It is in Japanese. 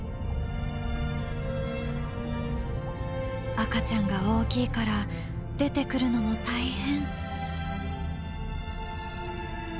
赤ちゃんが大きいから出てくるのも大変。